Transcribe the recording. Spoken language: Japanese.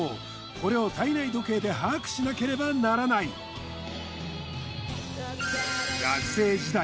これを体内時計で把握しなければならない学生時代